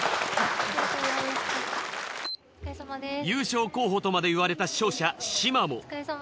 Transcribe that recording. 優勝候補とまで言われた勝者しまも。